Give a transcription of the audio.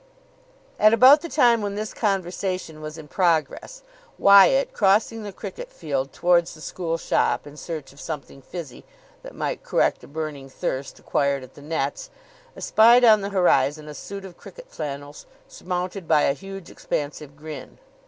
At about the time when this conversation was in progress, Wyatt, crossing the cricket field towards the school shop in search of something fizzy that might correct a burning thirst acquired at the nets, espied on the horizon a suit of cricket flannels surmounted by a huge, expansive grin.